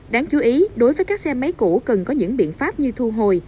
đáng chú ý đối với các xe máy cũ cần có những biện pháp như thu hồi